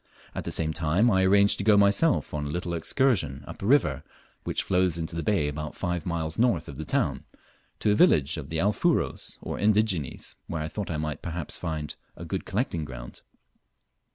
At the same time I arranged to go myself on a little excursion up a river which flows into the bay about five miles north of the town, to a village of the Alfuros, or indigenes, where I thought I might perhaps find a good collecting ground.